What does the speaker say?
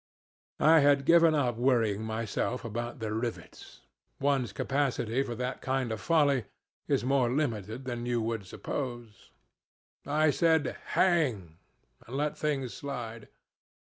"I had given up worrying myself about the rivets. One's capacity for that kind of folly is more limited than you would suppose. I said Hang! and let things slide.